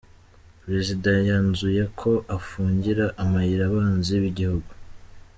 Perezida yanzuye ko afungira amayira Abanzi bigihugu